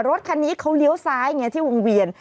รถคันนี้เขาเลี้ยวซ้ายไงที่วงเวียน